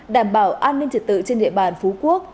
đảm bảo an ninh trật tự trên địa bàn phú quốc